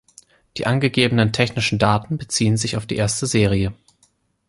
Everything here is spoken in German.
Die angegebenen technischen Daten beziehen sich auf die erste Serie.